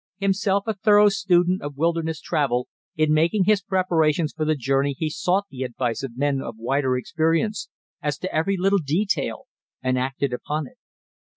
Himself a thorough student of wilderness travel, in making his preparations for the journey he sought the advice of men of wider experience as to every little detail and acted upon it.